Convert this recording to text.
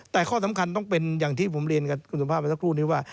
แต่ข้อสำคัญต้องเป็นอย่างที่ผมเรียนดีกับคุณสุนภาพบัตรศักดิ์หรูนี้ว่ะ